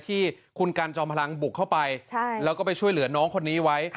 ที่คุณกันจอมพลังบุกเข้าไปแล้วก็ไปช่วยเหลือน้องคนนี้ไว้